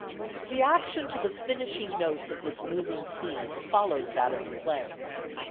The action to the finishing notes of this moving scene follows that of the play.